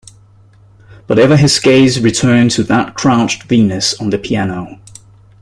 But ever his gaze returned to that Crouched Venus on the piano.